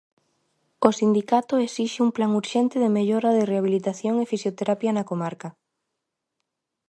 O sindicato esixe un plan urxente de mellora da rehabilitación e fisioterapia na comarca.